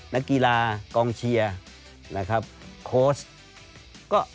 นักกีฬากองเชียร์โคสต์